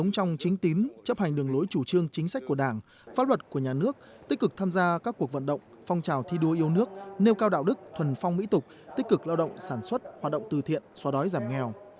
trong chính tín chấp hành đường lối chủ trương chính sách của đảng pháp luật của nhà nước tích cực tham gia các cuộc vận động phong trào thi đua yêu nước nêu cao đạo đức thuần phong mỹ tục tích cực lao động sản xuất hoạt động từ thiện soa đói giảm nghèo